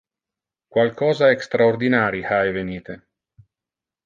Qualcosa extraordinari ha evenite.